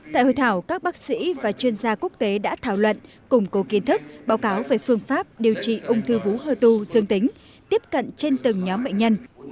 tại hội thảo các bác sĩ và chuyên gia quốc tế đã thảo luận củng cố kiến thức báo cáo về phương pháp điều trị ung thư vú hơ tu dương tính tiếp cận trên từng nhóm bệnh nhân